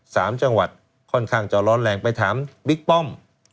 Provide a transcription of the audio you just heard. สามจังหวัดค่อนข้างจะร้อนแรงไปถามบิ๊กป้อม